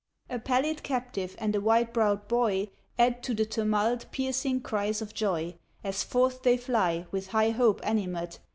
A pallid captive and a white browed boy Add to the tumult piercing cries of joy, As forth they fly, with high hope animate.